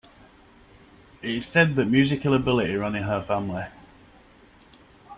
It is said that musical ability ran in her family.